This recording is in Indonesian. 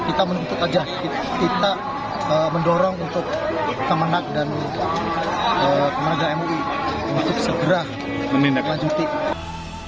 kita menutup aja kita mendorong untuk kemenang dan kemenang mui untuk segera melanjutkan